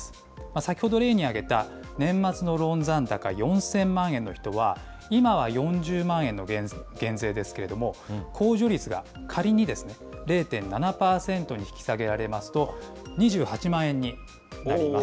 先ほど例に挙げた、年末のローン残高４０００万円の人は、今は４０万円の減税ですけれども、控除率が仮に０．７％に引き下げられますと、２８万円になります。